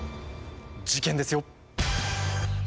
事件ですよ。